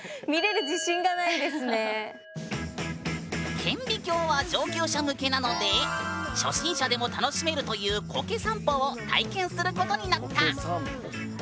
顕微鏡は上級者向けなので初心者でも楽しめるというコケ散歩を体験することになった。